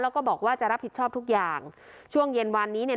แล้วก็บอกว่าจะรับผิดชอบทุกอย่างช่วงเย็นวันนี้เนี่ย